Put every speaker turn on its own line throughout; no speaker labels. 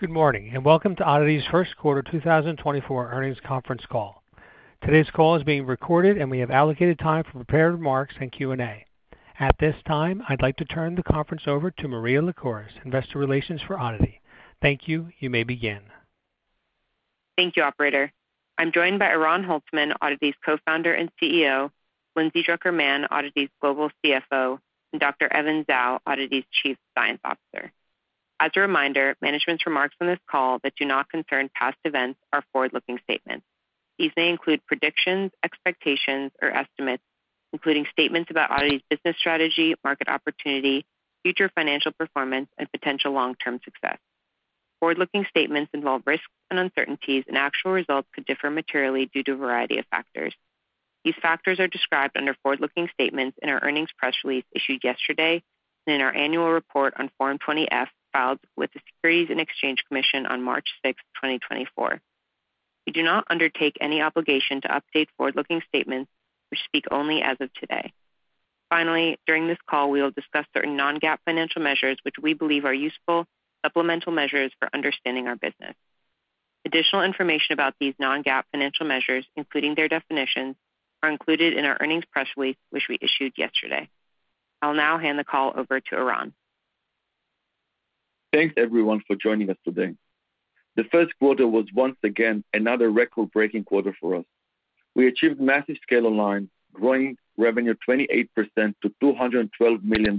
Good morning and welcome to ODDITY's first quarter 2024 earnings conference call. Today's call is being recorded and we have allocated time for prepared remarks and Q&A. At this time, I'd like to turn the conference over to Maria Lycouris, Investor Relations for ODDITY. Thank you. You may begin.
Thank you, Operator. I'm joined by Oran Holtzman, ODDITY's Co-founder and CEO; Lindsay Drucker Mann, ODDITY's global CFO; and Dr. Evan Zhao, ODDITY's Chief Science Officer. As a reminder, management's remarks on this call that do not concern past events are forward-looking statements. These may include predictions, expectations, or estimates, including statements about ODDITY's business strategy, market opportunity, future financial performance, and potential long-term success. Forward-looking statements involve risks and uncertainties, and actual results could differ materially due to a variety of factors. These factors are described under forward-looking statements in our earnings press release issued yesterday and in our annual report on Form 20-F filed with the Securities and Exchange Commission on March 6, 2024. We do not undertake any obligation to update forward-looking statements which speak only as of today. Finally, during this call we will discuss certain non-GAAP financial measures which we believe are useful supplemental measures for understanding our business. Additional information about these non-GAAP financial measures, including their definitions, are included in our earnings press release which we issued yesterday. I'll now hand the call over to Oran.
Thanks, everyone, for joining us today. The first quarter was, once again, another record-breaking quarter for us. We achieved massive scale online, growing revenue 28% to $212 million,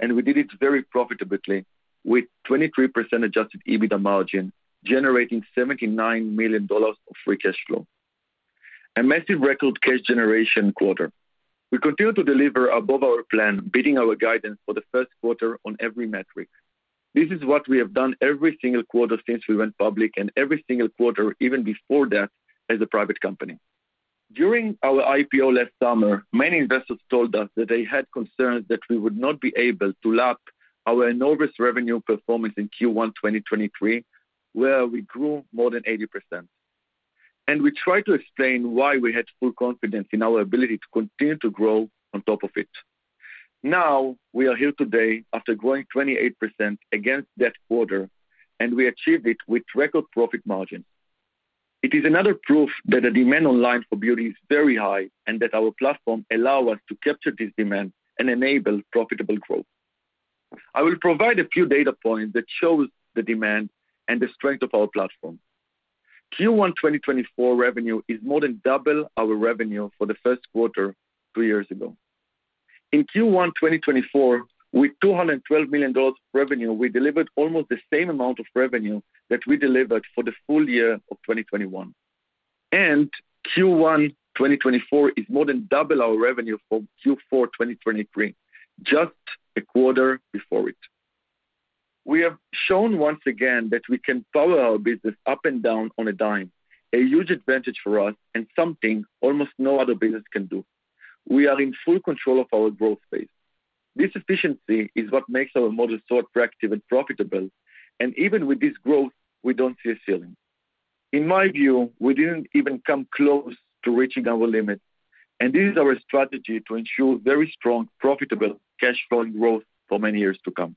and we did it very profitably with 23% adjusted EBITDA margin, generating $79 million of free cash flow. A massive record cash generation quarter. We continue to deliver above our plan, beating our guidance for the first quarter on every metric. This is what we have done every single quarter since we went public and every single quarter even before that as a private company. During our IPO last summer, many investors told us that they had concerns that we would not be able to lap our enormous revenue performance in Q1 2023, where we grew more than 80%. We tried to explain why we had full confidence in our ability to continue to grow on top of it. Now we are here today after growing 28% against that quarter, and we achieved it with record profit margins. It is another proof that the demand online for beauty is very high and that our platform allows us to capture this demand and enable profitable growth. I will provide a few data points that show the demand and the strength of our platform. Q1 2024 revenue is more than double our revenue for the first quarter two years ago. In Q1 2024, with $212 million of revenue, we delivered almost the same amount of revenue that we delivered for the full year of 2021. Q1 2024 is more than double our revenue from Q4 2023, just a quarter before it. We have shown, once again, that we can power our business up and down on a dime, a huge advantage for us and something almost no other business can do. We are in full control of our growth pace. This efficiency is what makes our model so attractive and profitable, and even with this growth, we don't see a ceiling. In my view, we didn't even come close to reaching our limit, and this is our strategy to ensure very strong, profitable cash flowing growth for many years to come.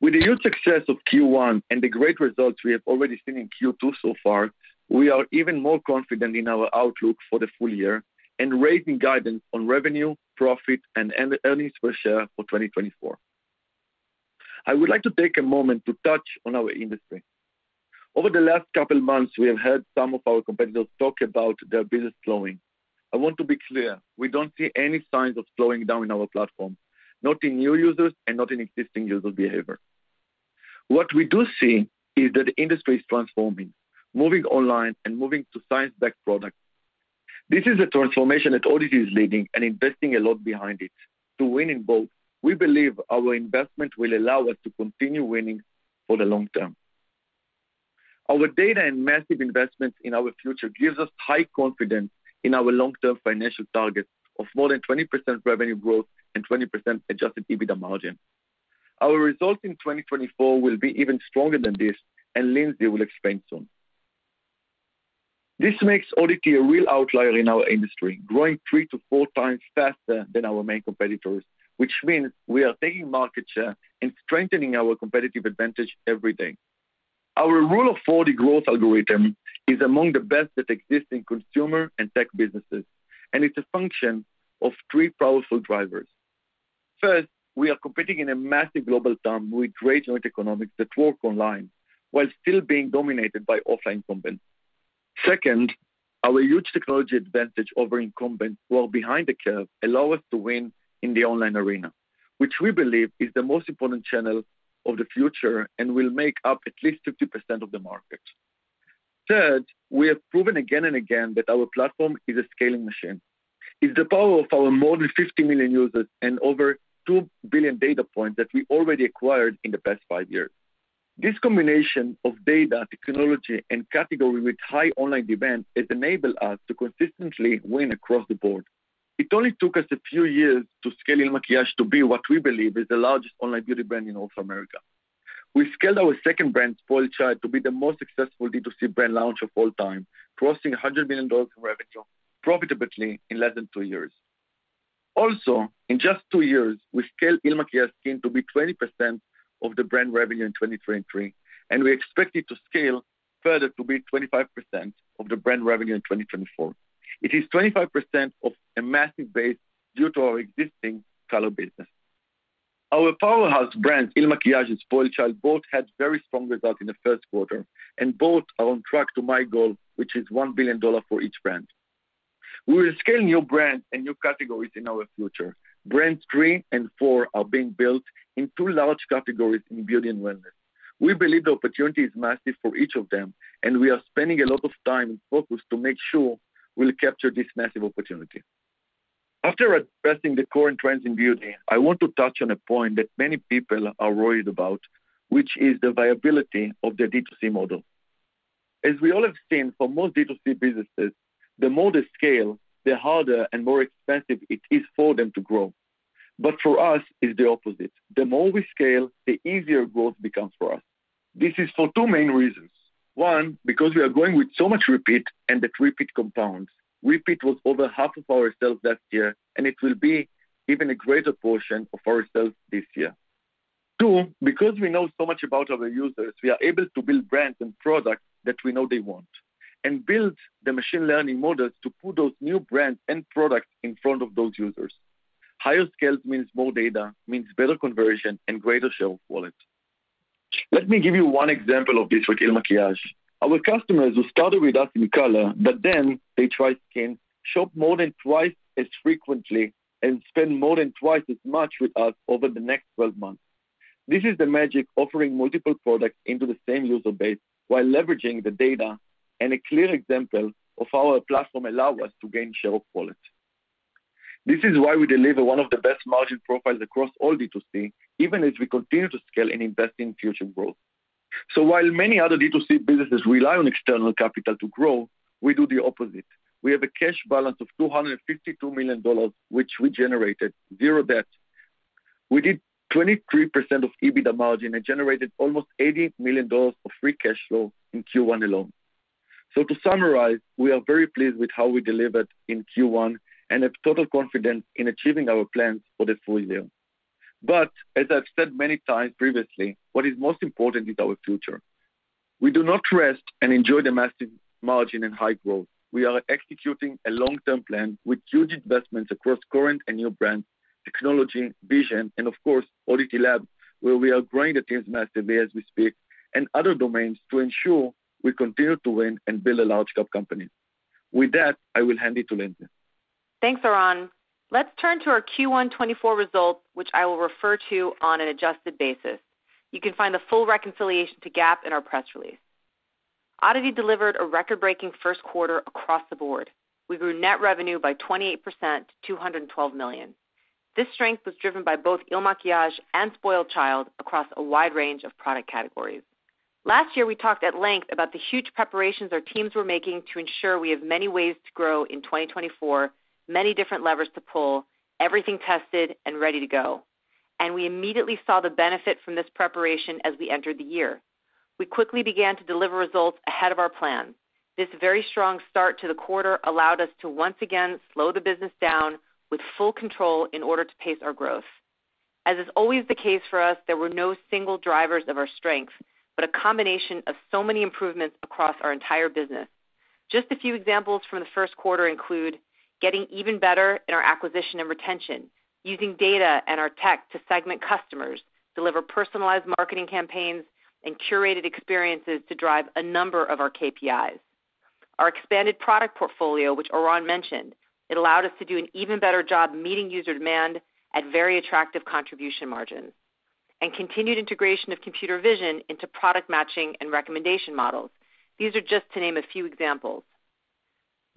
With the huge success of Q1 and the great results we have already seen in Q2 so far, we are even more confident in our outlook for the full year and raising guidance on revenue, profit, and earnings per share for 2024. I would like to take a moment to touch on our industry. Over the last couple of months, we have heard some of our competitors talk about their business slowing. I want to be clear: we don't see any signs of slowing down in our platform, not in new users and not in existing user behavior. What we do see is that the industry is transforming, moving online and moving to science-backed products. This is a transformation that ODDITY is leading and investing a lot behind it. To win in both, we believe our investment will allow us to continue winning for the long term. Our data and massive investments in our future give us high confidence in our long-term financial targets of more than 20% revenue growth and 20% Adjusted EBITDA margin. Our results in 2024 will be even stronger than this, and Lindsay will explain soon. This makes ODDITY a real outlier in our industry, growing 3-4 times faster than our main competitors, which means we are taking market share and strengthening our competitive advantage every day. Our Rule of 40 growth algorithm is among the best that exist in consumer and tech businesses, and it's a function of three powerful drivers. First, we are competing in a massive global market with great unit economics that work online while still being dominated by offline incumbents. Second, our huge technology advantage over incumbents who are behind the curve allows us to win in the online arena, which we believe is the most important channel of the future and will make up at least 50% of the market. Third, we have proven again and again that our platform is a scaling machine. It's the power of our more than 50 million users and over 2 billion data points that we already acquired in the past five years. This combination of data, technology, and category with high online demand has enabled us to consistently win across the board. It only took us a few years to scale IL MAKIAGE to be what we believe is the largest online beauty brand in North America. We scaled our second brand, SpoiledChild, to be the most successful D2C brand launch of all time, crossing $100 million in revenue profitably in less than two years. Also, in just two years, we scaled IL MAKIAGE Skin to be 20% of the brand revenue in 2023, and we expect it to scale further to be 25% of the brand revenue in 2024. It is 25% of a massive base due to our existing color business. Our powerhouse brands, IL MAKIAGE and SpoiledChild, both had very strong results in the first quarter and both are on track to my goal, which is $1 billion for each brand. We will scale new brands and new categories in our future. Brands three and four are being built in two large categories in beauty and wellness. We believe the opportunity is massive for each of them, and we are spending a lot of time and focus to make sure we'll capture this massive opportunity. After addressing the current trends in beauty, I want to touch on a point that many people are worried about, which is the viability of the D2C model. As we all have seen for most D2C businesses, the more they scale, the harder and more expensive it is for them to grow. But for us, it's the opposite. The more we scale, the easier growth becomes for us. This is for two main reasons. One, because we are going with so much repeat and that repeat compounds. Repeat was over half of our sales last year, and it will be even a greater portion of our sales this year. Two, because we know so much about our users, we are able to build brands and products that we know they want and build the machine learning models to put those new brands and products in front of those users. Higher scales means more data, means better conversion, and greater share of wallet. Let me give you one example of this with IL MAKIAGE. Our customers who started with us in color but then they tried skin, shop more than twice as frequently and spend more than twice as much with us over the next 12 months. This is the magic offering multiple products into the same user base while leveraging the data and a clear example of how our platform allows us to gain share of wallet. This is why we deliver one of the best margin profiles across all D2C, even as we continue to scale and invest in future growth. While many other D2C businesses rely on external capital to grow, we do the opposite. We have a cash balance of $252 million, which we generated, zero debt. We did 23% of EBITDA margin and generated almost $80 million of free cash flow in Q1 alone. To summarize, we are very pleased with how we delivered in Q1 and have total confidence in achieving our plans for the full year. But as I've said many times previously, what is most important is our future. We do not rest and enjoy the massive margin and high growth. We are executing a long-term plan with huge investments across current and new brands, technology, vision, and of course, ODDITY Labs, where we are growing the team's massive as we speak, and other domains to ensure we continue to win and build a large-cap company. With that, I will hand it to Lindsay.
Thanks, Oran. Let's turn to our Q1 2024 results, which I will refer to on an adjusted basis. You can find the full reconciliation to GAAP in our press release. ODDITY delivered a record-breaking first quarter across the board. We grew net revenue by 28% to $212 million. This strength was driven by both IL MAKIAGE and SpoiledChild across a wide range of product categories. Last year, we talked at length about the huge preparations our teams were making to ensure we have many ways to grow in 2024, many different levers to pull, everything tested and ready to go. And we immediately saw the benefit from this preparation as we entered the year. We quickly began to deliver results ahead of our plan. This very strong start to the quarter allowed us to once again slow the business down with full control in order to pace our growth. As is always the case for us, there were no single drivers of our strength but a combination of so many improvements across our entire business. Just a few examples from the first quarter include getting even better in our acquisition and retention, using data and our tech to segment customers, deliver personalized marketing campaigns, and curated experiences to drive a number of our KPIs. Our expanded product portfolio, which Oran mentioned, allowed us to do an even better job meeting user demand at very attractive contribution margins. And continued integration of computer vision into product matching and recommendation models. These are just to name a few examples.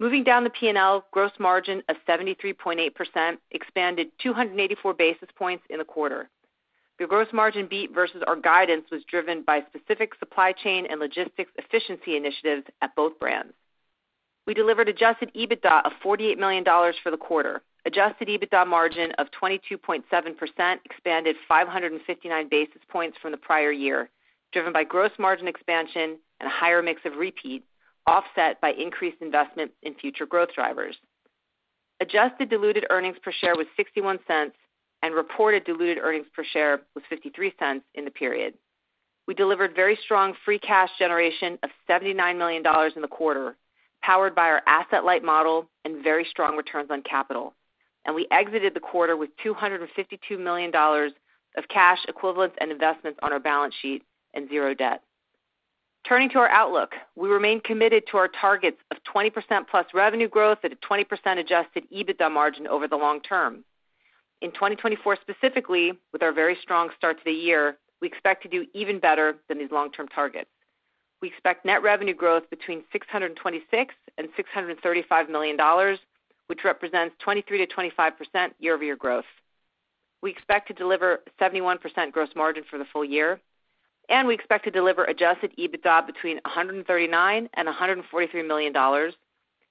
Moving down the P&L, gross margin of 73.8% expanded 284 basis points in the quarter. The gross margin beat versus our guidance was driven by specific supply chain and logistics efficiency initiatives at both brands. We delivered adjusted EBITDA of $48 million for the quarter. Adjusted EBITDA margin of 22.7% expanded 559 basis points from the prior year, driven by gross margin expansion and a higher mix of repeat, offset by increased investment in future growth drivers. Adjusted diluted earnings per share was $0.61, and reported diluted earnings per share was $0.53 in the period. We delivered very strong free cash generation of $79 million in the quarter, powered by our asset-light model and very strong returns on capital. We exited the quarter with $252 million of cash equivalents and investments on our balance sheet and zero debt. Turning to our outlook, we remain committed to our targets of 20%+ revenue growth at a 20% adjusted EBITDA margin over the long term. In 2024 specifically, with our very strong start to the year, we expect to do even better than these long-term targets. We expect net revenue growth between $626 million-$635 million, which represents 23%-25% year-over-year growth. We expect to deliver a 71% gross margin for the full year, and we expect to deliver adjusted EBITDA between $139 million-$143 million,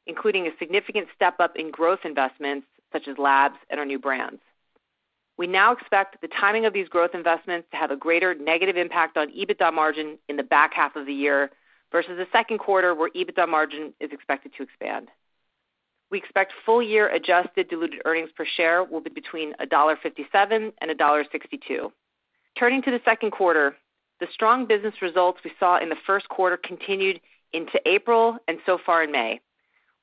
including a significant step up in growth investments such as labs and our new brands. We now expect the timing of these growth investments to have a greater negative impact on EBITDA margin in the back half of the year versus the second quarter where EBITDA margin is expected to expand. We expect full-year adjusted diluted earnings per share will be between $1.57-$1.62. Turning to the second quarter, the strong business results we saw in the first quarter continued into April and so far in May.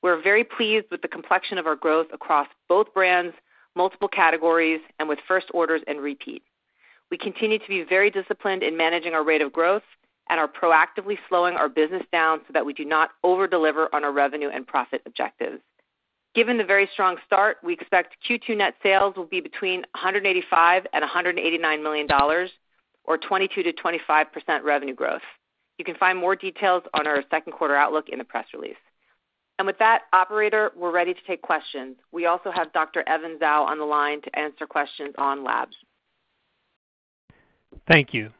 We're very pleased with the complexion of our growth across both brands, multiple categories, and with first orders and repeat. We continue to be very disciplined in managing our rate of growth and are proactively slowing our business down so that we do not overdeliver on our revenue and profit objectives. Given the very strong start, we expect Q2 net sales will be between $185 and $189 million, or 22%-25% revenue growth. You can find more details on our second quarter outlook in the press release. With that, operator, we're ready to take questions. We also have Dr. Evan Zhao on the line to answer questions on labs.
Thank you.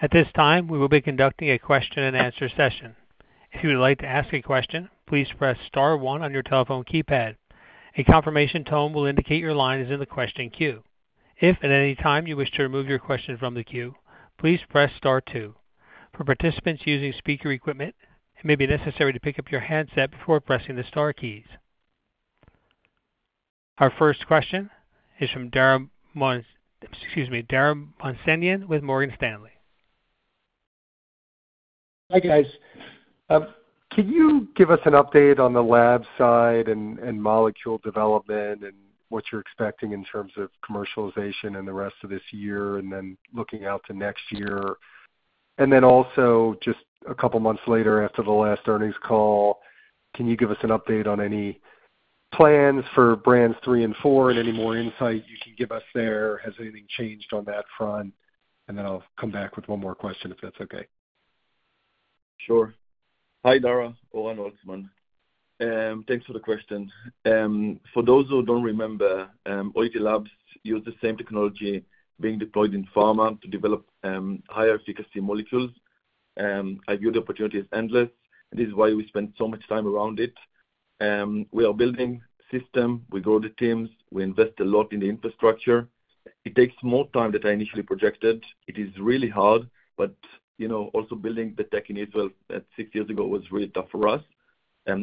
At this time, we will be conducting a question-and-answer session. If you would like to ask a question, please press star one on your telephone keypad. A confirmation tone will indicate your line is in the question queue. If at any time you wish to remove your question from the queue, please press star two. For participants using speaker equipment, it may be necessary to pick up your handset before pressing the star keys. Our first question is from Dara Mohsenian with Morgan Stanley.
Hi, guys. Can you give us an update on the lab side and molecule development and what you're expecting in terms of commercialization and the rest of this year and then looking out to next year? And then also just a couple of months later after the last earnings call, can you give us an update on any plans for brands three and four and any more insight you can give us there? Has anything changed on that front? And then I'll come back with one more question if that's okay.
Sure. Hi, Dara. Oran Holtzman. Thanks for the question. For those who don't remember, ODDITY Labs used the same technology being deployed in pharma to develop higher efficacy molecules. I view the opportunity as endless. This is why we spent so much time around it. We are building systems. We grow the teams. We invest a lot in the infrastructure. It takes more time than I initially projected. It is really hard, but also building the tech in Israel six years ago was really tough for us,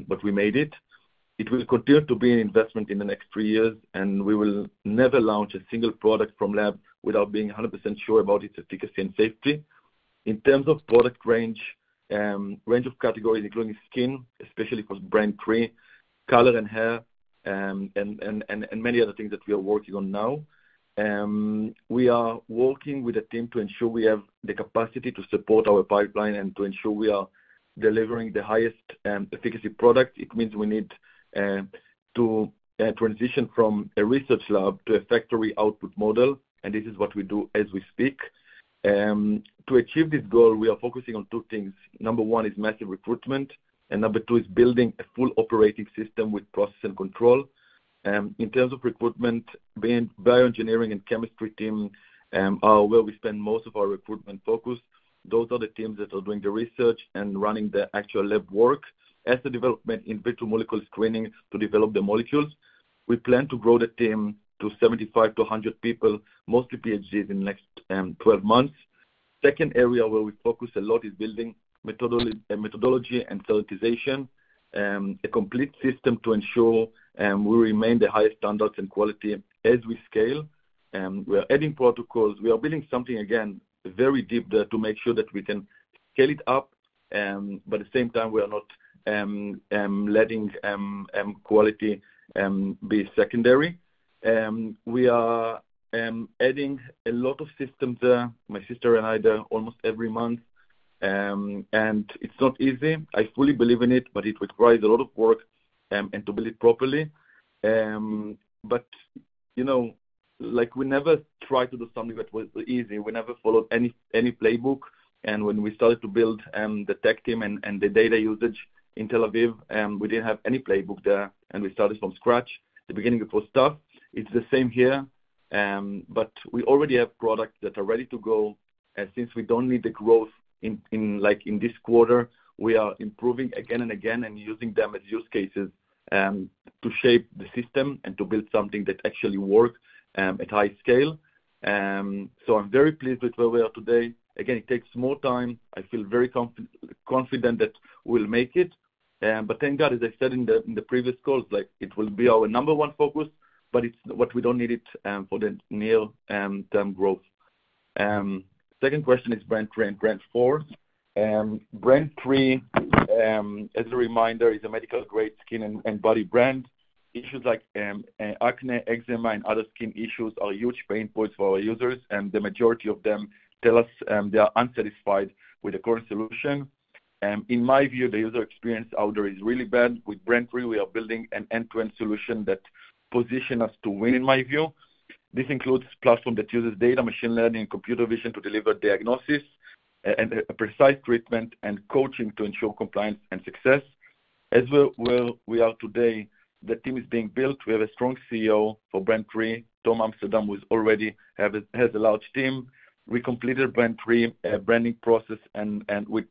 but we made it. It will continue to be an investment in the next three years, and we will never launch a single product from lab without being 100% sure about its efficacy and safety. In terms of product range, range of categories, including skin, especially for Brand 3, color and hair, and many other things that we are working on now, we are working with a team to ensure we have the capacity to support our pipeline and to ensure we are delivering the highest efficacy product. It means we need to transition from a research lab to a factory output model, and this is what we do as we speak. To achieve this goal, we are focusing on two things. Number one is massive recruitment, and number two is building a full operating system with process and control. In terms of recruitment, being bioengineering and chemistry team are where we spend most of our recruitment focus. Those are the teams that are doing the research and running the actual lab work as the development in vitro molecule screening to develop the molecules. We plan to grow the team to 75 to 100 people, mostly PhDs in the next 12 months. Second area where we focus a lot is building methodology and sanitization, a complete system to ensure we remain the highest standards and quality as we scale. We are adding protocols. We are building something, again, very deep there to make sure that we can scale it up, but at the same time, we are not letting quality be secondary. We are adding a lot of systems there, my sister and I, almost every month. It's not easy. I fully believe in it, but it requires a lot of work and to build it properly. We never tried to do something that was easy. We never followed any playbook. When we started to build the tech team and the data usage in Tel Aviv, we didn't have any playbook there, and we started from scratch. The beginning was tough. It's the same here, but we already have products that are ready to go. Since we don't need the growth in this quarter, we are improving again and again and using them as use cases to shape the system and to build something that actually works at high scale. So I'm very pleased with where we are today. Again, it takes more time. I feel very confident that we'll make it. But thank God, as I said in the previous calls, it will be our number one focus, but it's what we don't need for the near-term growth. Second question is Brand 3, Brand 4. Brand 3, as a reminder, is a medical-grade skin and body brand. Issues like acne, eczema, and other skin issues are huge pain points for our users, and the majority of them tell us they are unsatisfied with the current solution. In my view, the user experience out there is really bad. With Brand 3, we are building an end-to-end solution that positions us to win, in my view. This includes a platform that uses data, machine learning, and computer vision to deliver diagnosis and precise treatment and coaching to ensure compliance and success. As where we are today, the team is being built. We have a strong CEO for Brand 3, Tom Amsterdam, who already has a large team. We completed Brand 3 branding process with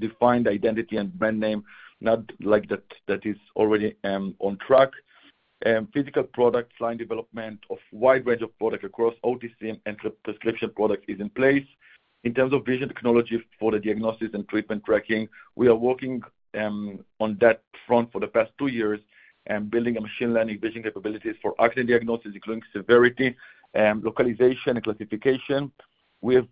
defined identity and brand name, not like that is already on track. Physical product, line development of a wide range of products across OTC and prescription products is in place. In terms of vision technology for the diagnosis and treatment tracking, we are working on that front for the past two years, building a machine learning vision capabilities for acne diagnosis, including severity, localization, and classification. We have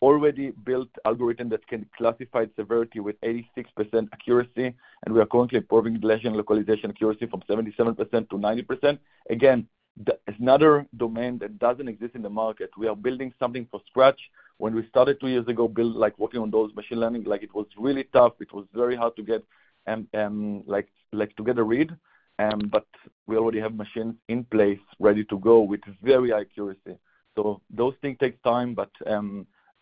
already built an algorithm that can classify severity with 86% accuracy, and we are currently improving lesion localization accuracy from 77%-90%. Again, it's another domain that doesn't exist in the market. We are building something from scratch. When we started two years ago, working on those Machine Learning, it was really tough. It was very hard to get together a read, but we already have machines in place ready to go with very high accuracy. So those things take time, but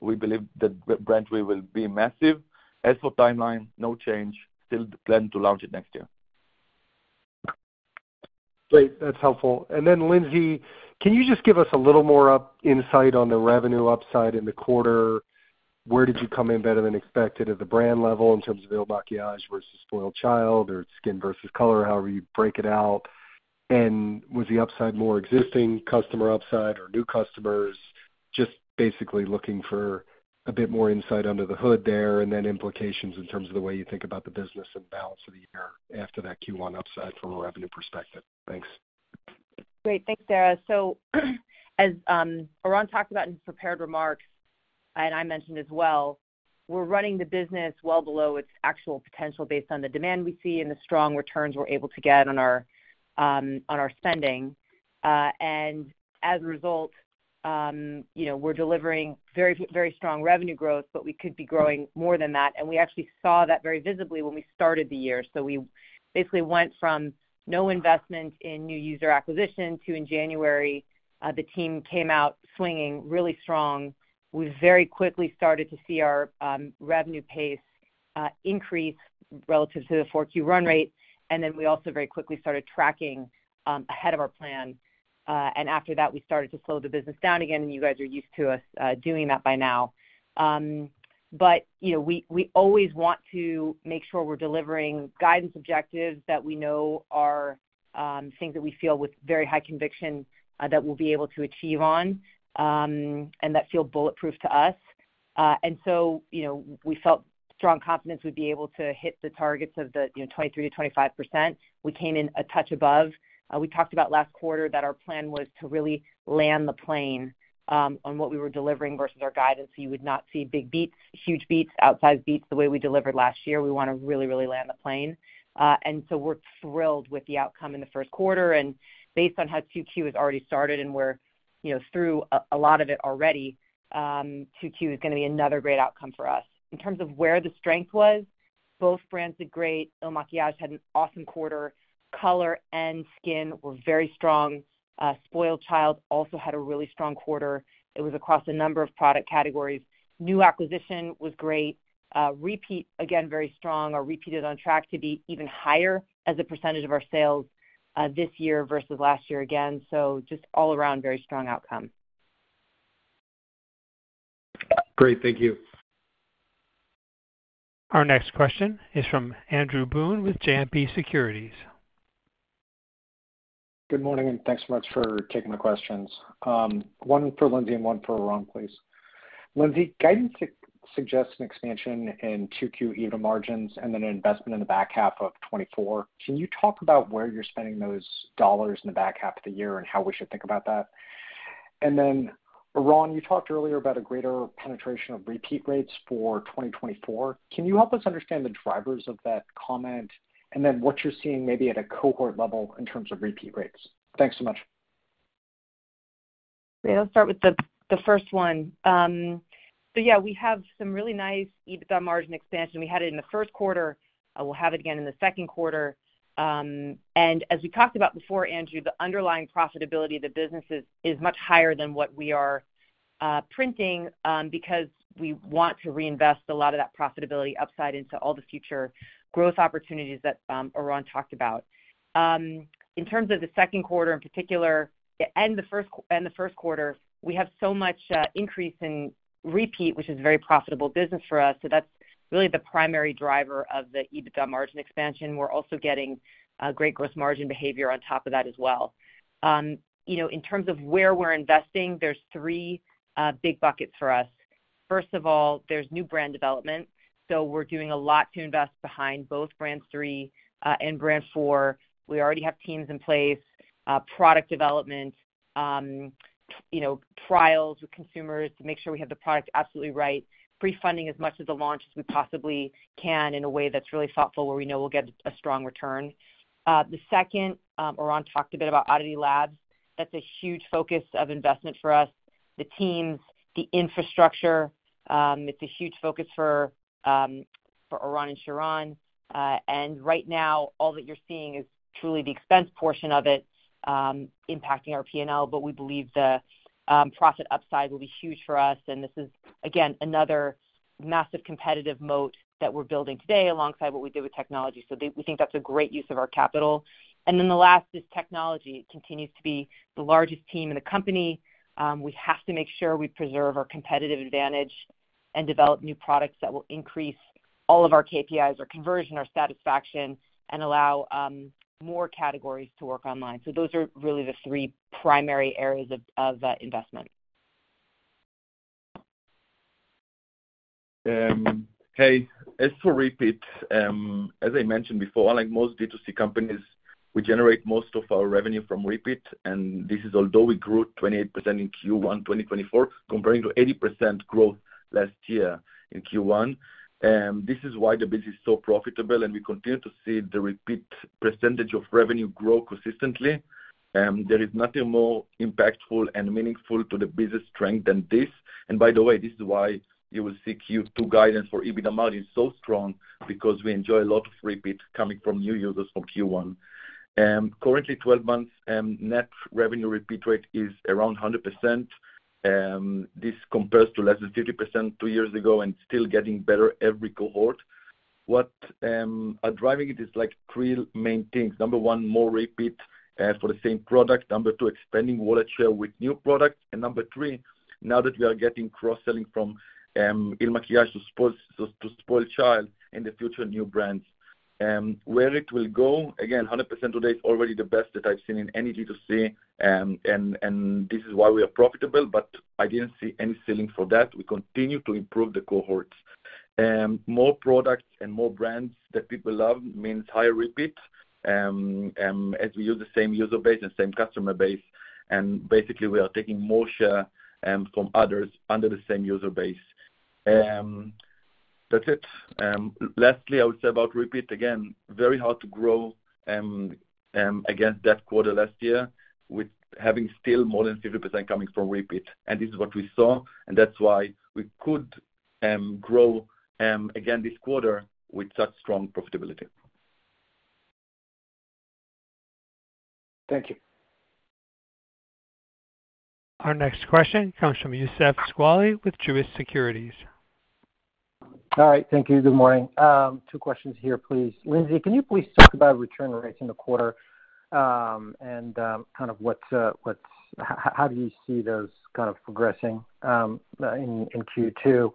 we believe that Brand 3 will be massive. As for timeline, no change. Still planning to launch it next year.
Great. That's helpful. And then, Lindsay, can you just give us a little more insight on the revenue upside in the quarter? Where did you come in better than expected at the brand level in terms of IL MAKIAGE versus SpoiledChild or skin versus color, however you break it out? And was the upside more existing customer upside or new customers just basically looking for a bit more insight under the hood there and then implications in terms of the way you think about the business and balance of the year after that Q1 upside from a revenue perspective? Thanks.
Great. Thanks, Dara. So as Oran talked about in his prepared remarks, and I mentioned as well, we're running the business well below its actual potential based on the demand we see and the strong returns we're able to get on our spending. And as a result, we're delivering very, very strong revenue growth, but we could be growing more than that. And we actually saw that very visibly when we started the year. So we basically went from no investment in new user acquisition to, in January, the team came out swinging really strong. We very quickly started to see our revenue pace increase relative to the 4Q run rate. And then we also very quickly started tracking ahead of our plan. And after that, we started to slow the business down again, and you guys are used to us doing that by now. But we always want to make sure we're delivering guidance objectives that we know are things that we feel with very high conviction that we'll be able to achieve on and that feel bulletproof to us. And so we felt strong confidence we'd be able to hit the targets of the 23%-25%. We came in a touch above. We talked about last quarter that our plan was to really land the plane on what we were delivering versus our guidance. So you would not see big beats, huge beats, outsized beats the way we delivered last year. We want to really, really land the plane. And so we're thrilled with the outcome in the first quarter. And based on how 2Q has already started and we're through a lot of it already, 2Q is going to be another great outcome for us. In terms of where the strength was, both brands did great. IL MAKIAGE had an awesome quarter. Color and skin were very strong. SpoiledChild also had a really strong quarter. It was across a number of product categories. New acquisition was great. Repeat, again, very strong. Our repeat on track to be even higher as a percentage of our sales this year versus last year again. So just all around, very strong outcome.
Great. Thank you.
Our next question is from Andrew Boone with JMP Securities.
Good morning, and thanks so much for taking my questions. One for Lindsay and one for Oran, please. Lindsay, guidance suggests an expansion in 2Q gross margins and then an investment in the back half of 2024. Can you talk about where you're spending those dollars in the back half of the year and how we should think about that? And then, Oran, you talked earlier about a greater penetration of repeat rates for 2024. Can you help us understand the drivers of that comment and then what you're seeing maybe at a cohort level in terms of repeat rates? Thanks so much.
Okay. I'll start with the first one. So yeah, we have some really nice EBITDA margin expansion. We had it in the first quarter. We'll have it again in the second quarter. And as we talked about before, Andrew, the underlying profitability of the business is much higher than what we are printing because we want to reinvest a lot of that profitability upside into all the future growth opportunities that Oran talked about. In terms of the second quarter in particular and the first quarter, we have so much increase in repeat, which is a very profitable business for us. So that's really the primary driver of the EBITDA margin expansion. We're also getting great gross margin behavior on top of that as well. In terms of where we're investing, there's three big buckets for us. First of all, there's new brand development. So we're doing a lot to invest behind both Brand 3 and Brand 4. We already have teams in place, product development, trials with consumers to make sure we have the product absolutely right, pre-funding as much of the launch as we possibly can in a way that's really thoughtful where we know we'll get a strong return. The second, Oran talked a bit about ODDITY Labs. That's a huge focus of investment for us, the teams, the infrastructure. It's a huge focus for Oran and Shiran. And right now, all that you're seeing is truly the expense portion of it impacting our P&L, but we believe the profit upside will be huge for us. And this is, again, another massive competitive moat that we're building today alongside what we did with technology. So we think that's a great use of our capital. And then the last is technology. It continues to be the largest team in the company. We have to make sure we preserve our competitive advantage and develop new products that will increase all of our KPIs, our conversion, our satisfaction, and allow more categories to work online. Those are really the three primary areas of investment.
Hey, as for repeat, as I mentioned before, like most D2C companies, we generate most of our revenue from repeat. And this is although we grew 28% in Q1 2024 comparing to 80% growth last year in Q1. This is why the business is so profitable, and we continue to see the repeat percentage of revenue grow consistently. There is nothing more impactful and meaningful to the business strength than this. And by the way, this is why you will see Q2 guidance for even higher margin so strong because we enjoy a lot of repeat coming from new users from Q1. Currently, 12-month net revenue repeat rate is around 100%. This compares to less than 50% two years ago and still getting better every cohort. What are driving it is three main things. Number one, more repeat for the same product. Number two, expanding wallet share with new products. And number three, now that we are getting cross-selling from IL MAKIAGE to SpoiledChild and the future new brands. Where it will go, again, 100% today is already the best that I've seen in any D2C, and this is why we are profitable. But I didn't see any selling for that. We continue to improve the cohorts. More products and more brands that people love means higher repeat as we use the same user base and same customer base. And basically, we are taking more share from others under the same user base. That's it. Lastly, I would say about repeat, again, very hard to grow against that quarter last year with having still more than 50% coming from repeat. And this is what we saw, and that's why we could grow again this quarter with such strong profitability.
Thank you.
Our next question comes from Youssef Squali with Truist Securities.
All right. Thank you. Good morning. Two questions here, please. Lindsay, can you please talk about return rates in the quarter and kind of how do you see those kind of progressing in Q2?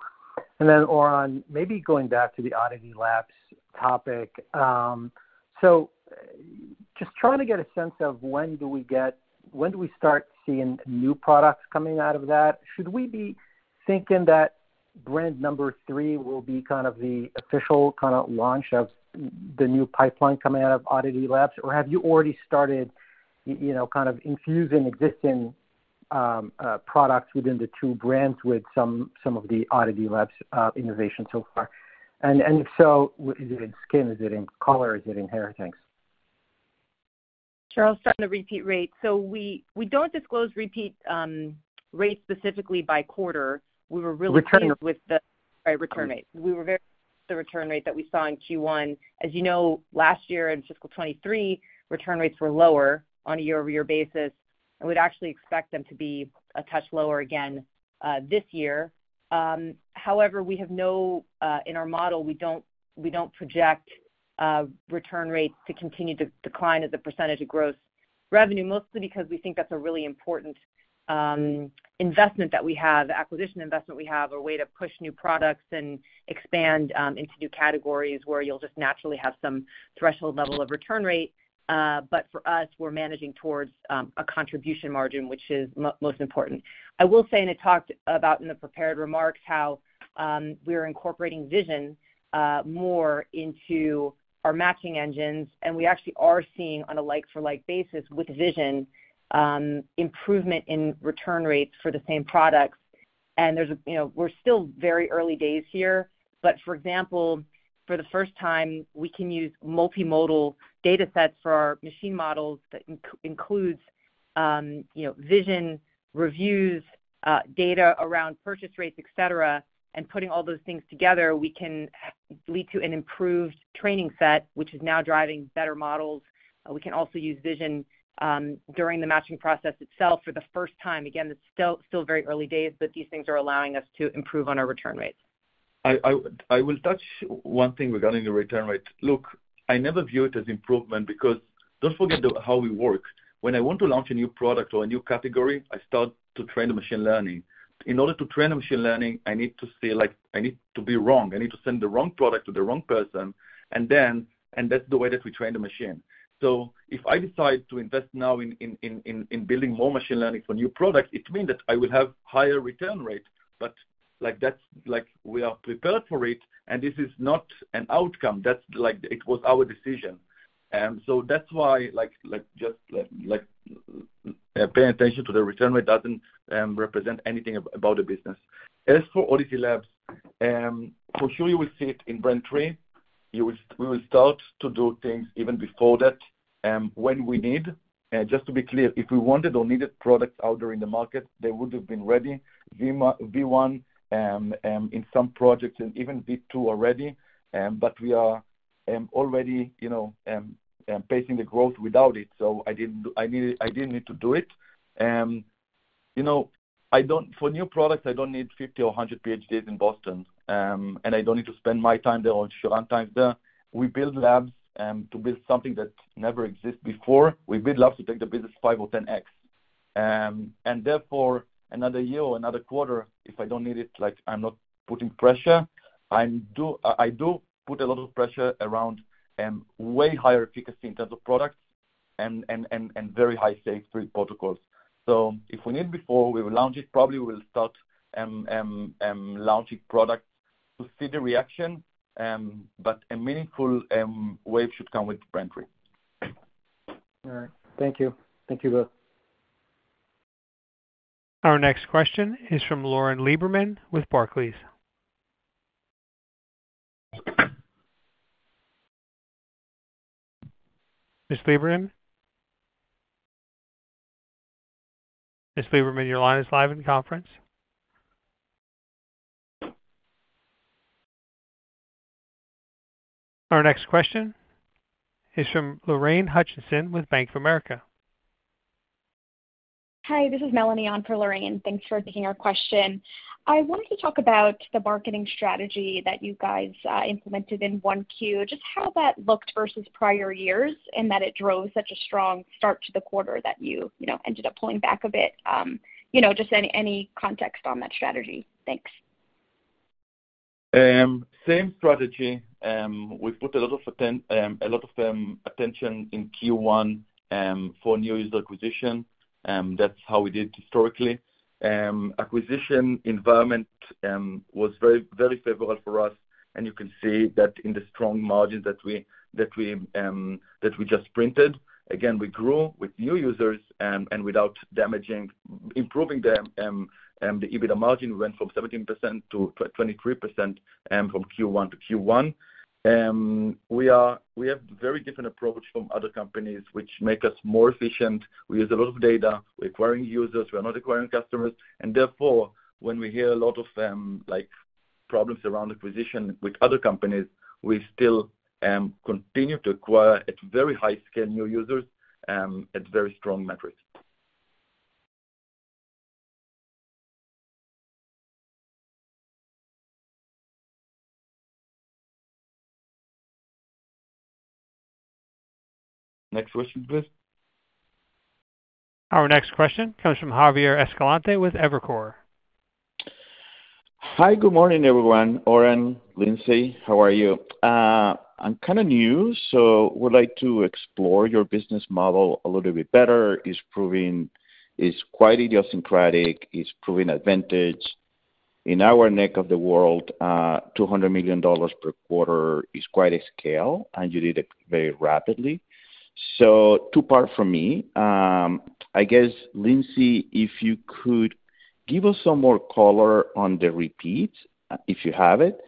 And then, Oran, maybe going back to the ODDITY Labs topic. So just trying to get a sense of when do we get when do we start seeing new products coming out of that? Should we be thinking that Brand 3 will be kind of the official kind of launch of the new pipeline coming out of ODDITY Labs, or have you already started kind of infusing existing products within the two brands with some of the ODDITY Labs innovation so far? And if so, is it in skin? Is it in color? Is it in hair? Thanks.
Sure. I'll start in the repeat rate. So we don't disclose repeat rates specifically by quarter. We were really pleased with the return rate. We were very pleased with the return rate that we saw in Q1. As you know, last year in fiscal 2023, return rates were lower on a year-over-year basis, and we'd actually expect them to be a touch lower again this year. However, in our model, we don't project return rates to continue to decline as a percentage of gross revenue, mostly because we think that's a really important investment that we have, acquisition investment we have, a way to push new products and expand into new categories where you'll just naturally have some threshold level of return rate. But for us, we're managing towards a contribution margin, which is most important. I will say, and I talked about in the prepared remarks how we are incorporating vision more into our matching engines, and we actually are seeing on a like-for-like basis with vision improvement in return rates for the same products. We're still very early days here. For example, for the first time, we can use multimodal datasets for our machine models that includes vision reviews, data around purchase rates, etc. Putting all those things together, we can lead to an improved training set, which is now driving better models. We can also use vision during the matching process itself for the first time. Again, it's still very early days, but these things are allowing us to improve on our return rates.
I will touch on one thing regarding the return rate. Look, I never view it as improvement because don't forget how we work. When I want to launch a new product or a new category, I start to train the machine learning. In order to train the machine learning, I need to see I need to be wrong. I need to send the wrong product to the wrong person. And that's the way that we train the machine. So if I decide to invest now in building more machine learning for new products, it means that I will have higher return rate. But we are prepared for it, and this is not an outcome. It was our decision. So that's why just paying attention to the return rate doesn't represent anything about the business. As for ODDITY Labs, for sure, you will see it in Brand 3. We will start to do things even before that when we need. And just to be clear, if we wanted or needed products out there in the market, they would have been ready, V1 in some projects and even V2 already. But we are already pacing the growth without it. So I didn't need to do it. For new products, I don't need 50 or 100 PhDs in Boston, and I don't need to spend my time there or Shiran's time there. We build labs to build something that never existed before. We build labs to take the business 5 or 10x. And therefore, another year or another quarter, if I don't need it, I'm not putting pressure. I do put a lot of pressure around way higher efficacy in terms of products and very high safety protocols. So if we need before, we will launch it. Probably, we will start launching products to see the reaction. But a meaningful wave should come with Brand 3.
All right. Thank you. Thank you both.
Our next question is from Lauren Lieberman with Barclays. Ms. Lieberman? Ms. Lieberman, your line is live in conference. Our next question is from Lorraine Hutchinson with Bank of America.
Hi. This is Melanie on for Lorraine. Thanks for taking our question. I wanted to talk about the marketing strategy that you guys implemented in 1Q, just how that looked versus prior years in that it drove such a strong start to the quarter that you ended up pulling back a bit. Just any context on that strategy? Thanks.
Same strategy. We've put a lot of attention in Q1 for new user acquisition. That's how we did historically. Acquisition environment was very favorable for us, and you can see that in the strong margins that we just printed. Again, we grew with new users and without improving even the margin. We went from 17%-23% from Q1 to Q1. We have a very different approach from other companies, which makes us more efficient. We use a lot of data. We're acquiring users. We are not acquiring customers. And therefore, when we hear a lot of problems around acquisition with other companies, we still continue to acquire at very high-scale new users at very strong metrics. Next question, please.
Our next question comes from Javier Escalante with Evercore.
Hi. Good morning, everyone. Oran, Lindsay, how are you? I'm kind of new, so I would like to explore your business model a little bit better. It's quite idiosyncratic. It's proving advantage. In our neck of the world, $200 million per quarter is quite a scale, and you did it very rapidly. So two parts from me. I guess, Lindsay, if you could give us some more color on the repeats, if you have it,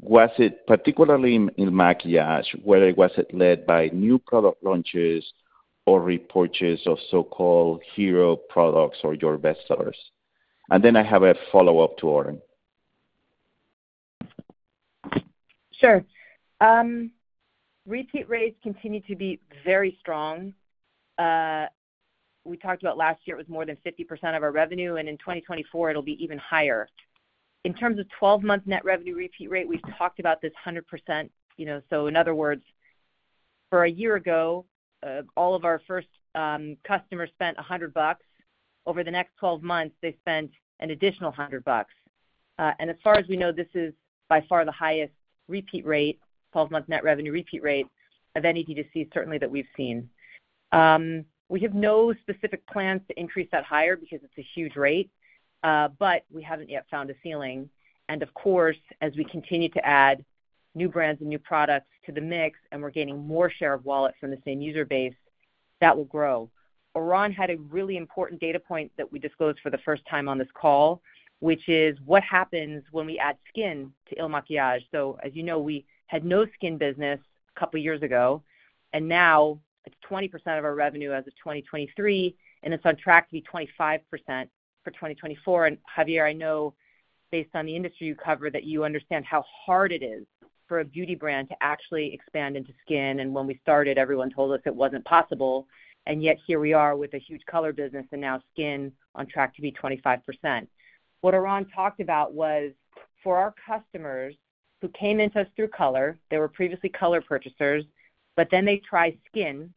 was it particularly in IL MAKIAGE, whether it was led by new product launches or repurchase of so-called hero products or your best sellers? And then I have a follow-up to Oran.
Sure. Repeat rates continue to be very strong. We talked about last year it was more than 50% of our revenue, and in 2024, it'll be even higher. In terms of 12-month net revenue repeat rate, we've talked about this 100%. So in other words, for a year ago, all of our first customers spent $100. Over the next 12 months, they spent an additional $100. And as far as we know, this is by far the highest repeat rate, 12-month net revenue repeat rate of any D2C certainly that we've seen. We have no specific plans to increase that higher because it's a huge rate, but we haven't yet found a ceiling. And of course, as we continue to add new brands and new products to the mix and we're gaining more share of wallet from the same user base, that will grow. Oran had a really important data point that we disclosed for the first time on this call, which is what happens when we add skin to IL MAKIAGE. So as you know, we had no skin business a couple of years ago, and now it's 20% of our revenue as of 2023, and it's on track to be 25% for 2024. And Javier, I know based on the industry you cover that you understand how hard it is for a beauty brand to actually expand into skin. And when we started, everyone told us it wasn't possible. And yet here we are with a huge color business and now skin on track to be 25%. What Oran talked about was for our customers who came into us through color, they were previously color purchasers, but then they tried skin;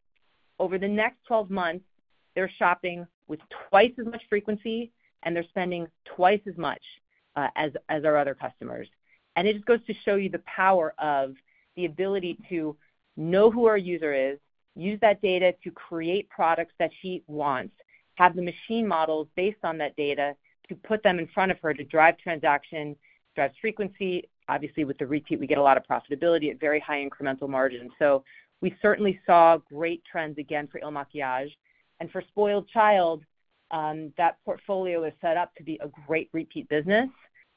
over the next 12 months, they're shopping with twice as much frequency, and they're spending twice as much as our other customers. And it just goes to show you the power of the ability to know who our user is, use that data to create products that she wants, have the machine models based on that data to put them in front of her to drive transaction, drive frequency. Obviously, with the repeat, we get a lot of profitability at very high incremental margins. So we certainly saw great trends again for IL MAKIAGE. And for SpoiledChild, that portfolio is set up to be a great repeat business.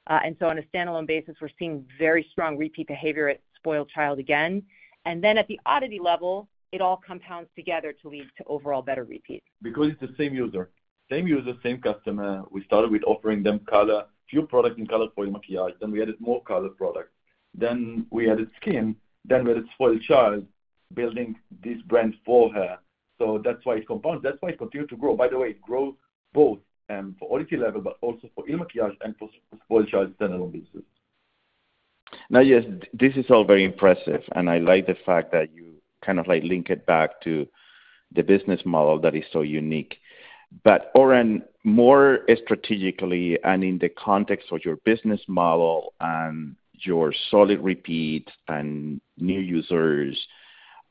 And so on a standalone basis, we're seeing very strong repeat behavior at SpoiledChild again. And then at the ODDITY level, it all compounds together to lead to overall better repeat.
Because it's the same user, same user, same customer. We started with offering them few products in color for IL MAKIAGE. Then we added more color products. Then we added skin. Then we added SpoiledChild building this brand for her. So that's why it compounds. That's why it continued to grow. By the way, it grew both for ODDITY level, but also for IL MAKIAGE and for SpoiledChild standalone businesses.
Now, yes, this is all very impressive, and I like the fact that you kind of link it back to the business model that is so unique. But Oran, more strategically and in the context of your business model and your solid repeats and new users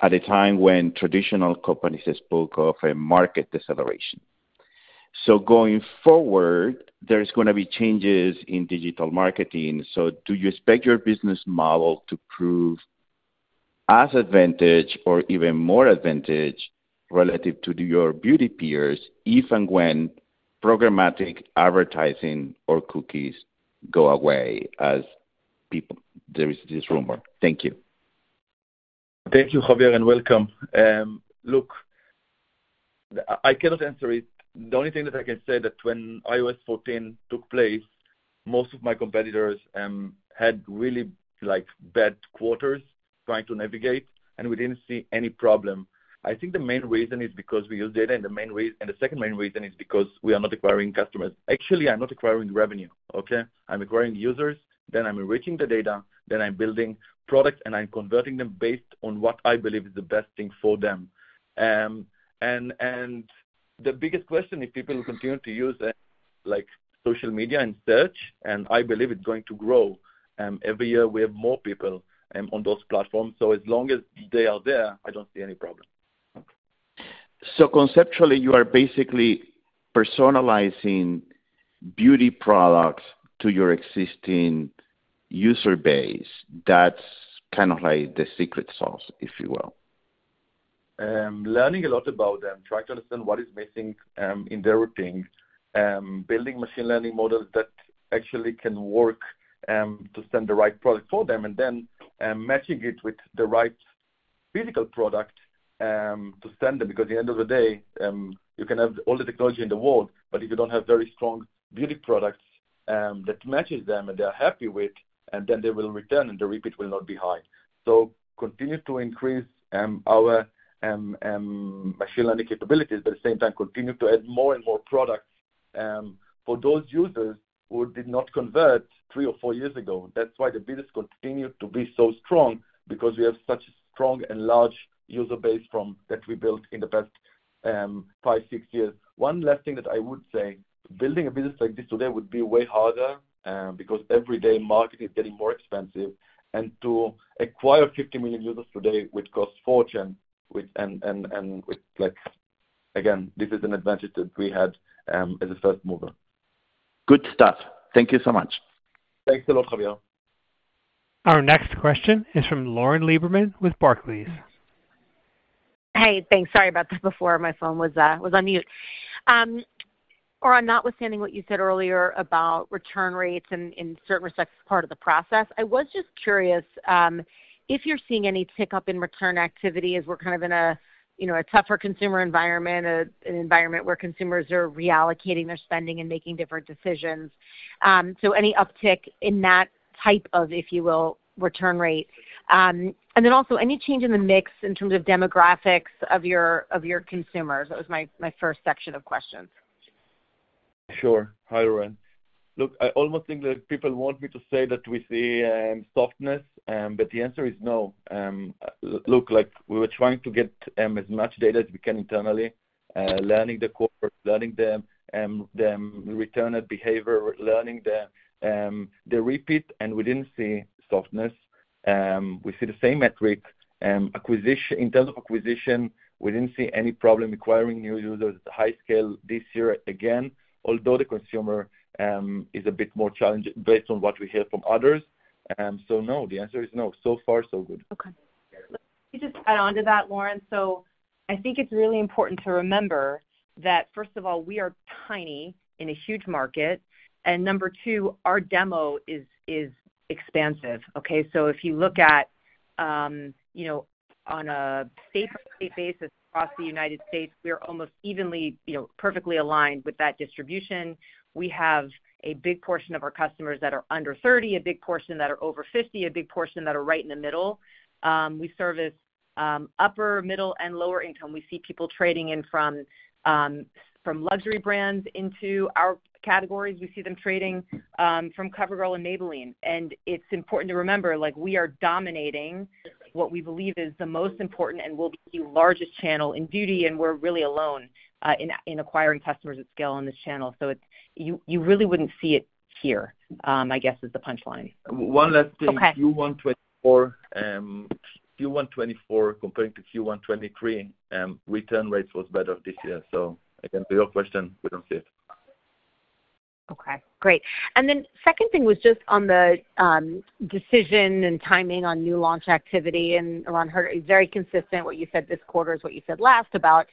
at a time when traditional companies spoke of a market deceleration. So going forward, there's going to be changes in digital marketing. So do you expect your business model to prove as advantage or even more advantage relative to your beauty peers if and when programmatic advertising or cookies go away as there is this rumor? Thank you.
Thank you, Javier, and welcome. Look, I cannot answer it. The only thing that I can say is that when iOS 14 took place, most of my competitors had really bad quarters trying to navigate, and we didn't see any problem. I think the main reason is because we use data, and the second main reason is because we are not acquiring customers. Actually, I'm not acquiring revenue, okay? I'm acquiring users. Then I'm enriching the data. Then I'm building products, and I'm converting them based on what I believe is the best thing for them. And the biggest question is if people will continue to use social media and search, and I believe it's going to grow. Every year, we have more people on those platforms. So as long as they are there, I don't see any problem.
Conceptually, you are basically personalizing beauty products to your existing user base. That's kind of the secret sauce, if you will.
Learning a lot about them, trying to understand what is missing in their routine, building machine learning models that actually can work to send the right product for them, and then matching it with the right physical product to send them. Because at the end of the day, you can have all the technology in the world, but if you don't have very strong beauty products that match them and they are happy with, and then they will return and the repeat will not be high. So continue to increase our machine learning capabilities, but at the same time, continue to add more and more products for those users who did not convert three or four years ago. That's why the business continued to be so strong because we have such a strong and large user base that we built in the past five, six years. One last thing that I would say, building a business like this today would be way harder because every day marketing is getting more expensive. To acquire 50 million users today would cost fortune. Again, this is an advantage that we had as a first mover.
Good stuff. Thank you so much.
Thanks a lot, Javier.
Our next question is from Lauren Lieberman with Barclays.
Hey. Thanks. Sorry about that before. My phone was on mute. Oran, notwithstanding what you said earlier about return rates in certain respects, it's part of the process. I was just curious if you're seeing any tick-up in return activity as we're kind of in a tougher consumer environment, an environment where consumers are reallocating their spending and making different decisions. So any uptick in that type of, if you will, return rate? And then also, any change in the mix in terms of demographics of your consumers? That was my first section of questions.
Sure. Hi, Oran. Look, I almost think that people want me to say that we see softness, but the answer is no. Look, we were trying to get as much data as we can internally, learning the core, learning the returned behavior, learning the repeat, and we didn't see softness. We see the same metric. In terms of acquisition, we didn't see any problem acquiring new users at high scale this year again, although the consumer is a bit more challenging based on what we hear from others. So no, the answer is no. So far, so good.
Okay.
Let me just add on to that, Lauren. So I think it's really important to remember that, first of all, we are tiny in a huge market. And number two, our demo is expansive, okay? So if you look at on a state-by-state basis across the United States, we are almost evenly, perfectly aligned with that distribution. We have a big portion of our customers that are under 30, a big portion that are over 50, a big portion that are right in the middle. We service upper, middle, and lower income. We see people trading in from luxury brands into our categories. We see them trading from CoverGirl and Maybelline. And it's important to remember we are dominating what we believe is the most important and will be the largest channel in beauty, and we're really alone in acquiring customers at scale on this channel. You really wouldn't see it here, I guess, is the punchline.
One last thing. Q1 2024, Q1 2024 compared to Q1 2023, return rates were better this year. So again, to your question, we don't see it.
Okay. Great. And then second thing was just on the decision and timing on new launch activity. And Oran, it's very consistent, what you said this quarter is what you said last about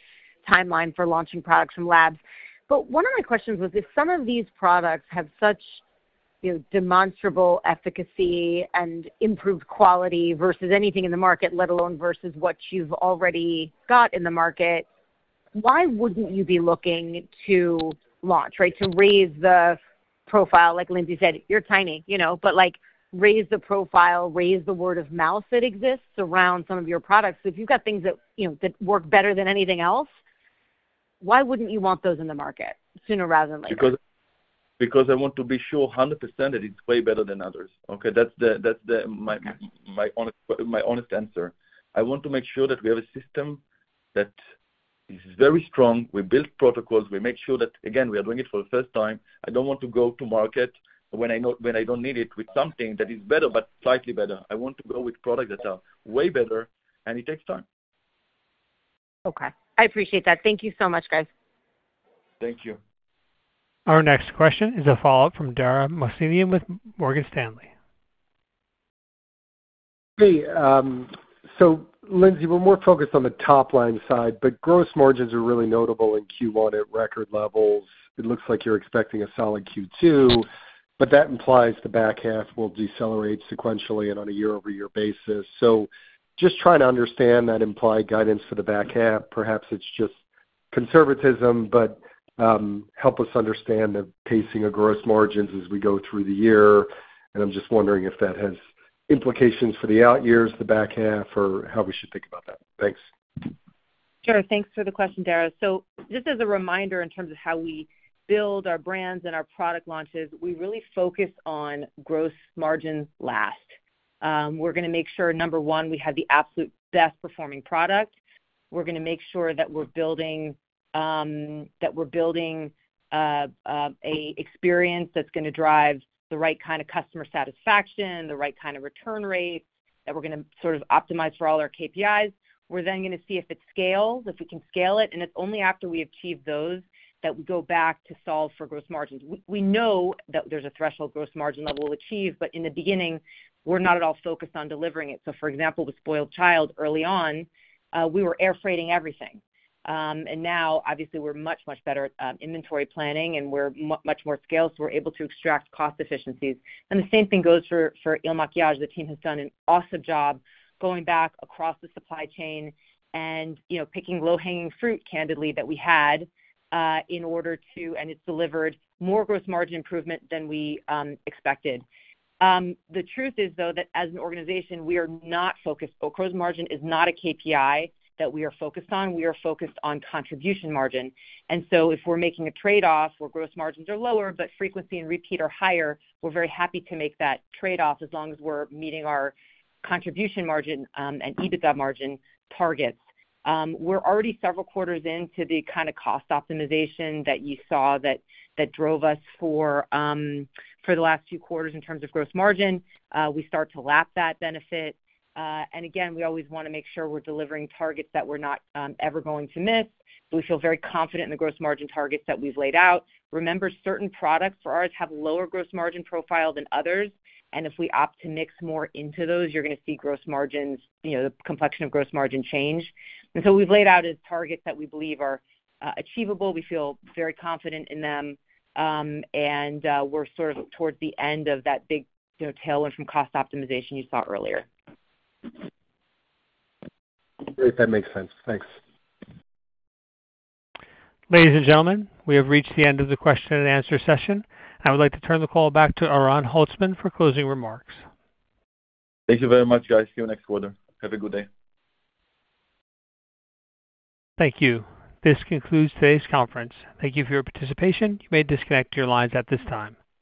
timeline for launching products from labs. But one of my questions was if some of these products have such demonstrable efficacy and improved quality versus anything in the market, let alone versus what you've already got in the market, why wouldn't you be looking to launch, right, to raise the profile? Like Lindsay said, you're tiny, but raise the profile, raise the word-of-mouth that exists around some of your products. So if you've got things that work better than anything else, why wouldn't you want those in the market sooner rather than later?
Because I want to be sure 100% that it's way better than others, okay? That's my honest answer. I want to make sure that we have a system that is very strong. We build protocols. We make sure that, again, we are doing it for the first time. I don't want to go to market when I don't need it with something that is better, but slightly better. I want to go with products that are way better, and it takes time.
Okay. I appreciate that. Thank you so much, guys.
Thank you.
Our next question is a follow-up from Dara Mohsenian with Morgan Stanley.
Hey. So Lindsay, we're more focused on the top-line side, but gross margins are really notable in Q1 at record levels. It looks like you're expecting a solid Q2, but that implies the back half will decelerate sequentially and on a year-over-year basis. So just trying to understand that implied guidance for the back half. Perhaps it's just conservatism, but help us understand the pacing of gross margins as we go through the year. And I'm just wondering if that has implications for the out years, the back half, or how we should think about that. Thanks.
Sure. Thanks for the question, Dara. So just as a reminder in terms of how we build our brands and our product launches, we really focus on gross margins last. We're going to make sure, number one, we have the absolute best-performing product. We're going to make sure that we're building an experience that's going to drive the right kind of customer satisfaction, the right kind of return rates, that we're going to sort of optimize for all our KPIs. We're then going to see if it scales, if we can scale it. It's only after we achieve those that we go back to solve for gross margins. We know that there's a threshold gross margin level we'll achieve, but in the beginning, we're not at all focused on delivering it. So for example, with SpoiledChild early on, we were air freighting everything. And now, obviously, we're much, much better at inventory planning, and we're much more scaled, so we're able to extract cost efficiencies. And the same thing goes for IL MAKIAGE. The team has done an awesome job going back across the supply chain and picking low-hanging fruit, candidly, that we had in order to and it's delivered more gross margin improvement than we expected. The truth is, though, that as an organization, we are not focused oh, gross margin is not a KPI that we are focused on. We are focused on contribution margin. And so if we're making a trade-off where gross margins are lower, but frequency and repeat are higher, we're very happy to make that trade-off as long as we're meeting our contribution margin and EBITDA margin targets. We're already several quarters into the kind of cost optimization that you saw that drove us for the last few quarters in terms of gross margin. We start to lap that benefit. And again, we always want to make sure we're delivering targets that we're not ever going to miss. But we feel very confident in the gross margin targets that we've laid out. Remember, certain products for ours have lower gross margin profile than others. And if we opt to mix more into those, you're going to see the complexion of gross margin change. And so we've laid out targets that we believe are achievable. We feel very confident in them. And we're sort of towards the end of that big tailwind from cost optimization you saw earlier.
If that makes sense. Thanks.
Ladies and gentlemen, we have reached the end of the question-and-answer session. I would like to turn the call back to Oran Holtzman for closing remarks.
Thank you very much, guys. See you next quarter. Have a good day.
Thank you. This concludes today's conference. Thank you for your participation. You may disconnect your lines at this time.